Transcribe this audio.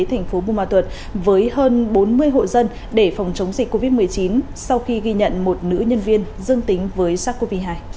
thành phố bùa ma thuật với hơn bốn mươi hộ dân để phòng chống dịch covid một mươi chín sau khi ghi nhận một nữ nhân viên dương tính với sars cov hai